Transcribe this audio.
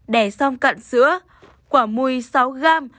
ba đơn thuốc có quả mùi theo kinh nghiệm